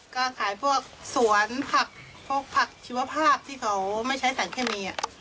ก็ขายพวกสวนผักพวกผักชีวภาพที่เขาไม่ใช้สารเคมี